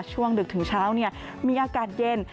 ดึกถึงเช้ามีอากาศเย็น